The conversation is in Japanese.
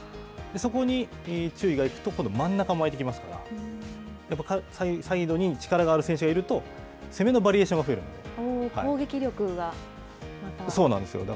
そこに注意が行くと、今度は真ん中も空いてきますから、やっぱりサイドに力がある選手がいると、攻めのバリエーションが増えるの攻撃力がまた。